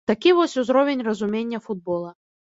Такі вось узровень разумення футбола.